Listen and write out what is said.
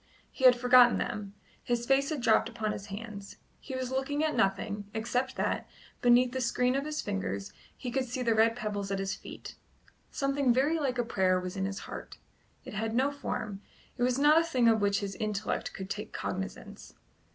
He had forgotten them; his face had dropped upon his hands; he was looking at nothing, except that, beneath the screen of his fingers, he could see the red pebbles at his feet. Something very like a prayer was in his heart; it had no form; it was not a thing of which his intellect could take cognizance.